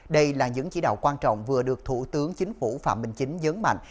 đây là những chỉ đạo quan trọng vừa được thủ tướng chính phủ phạm minh chính nhấn mạnh